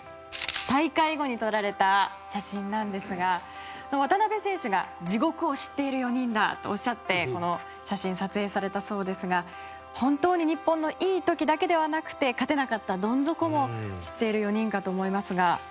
大会後に撮られた写真なんですが渡邊選手が地獄を知っている４人だとおっしゃってこの写真撮影されたそうですが本当に日本のいい時だけではなくて勝てなかったどん底も知っている４人かと思いますが。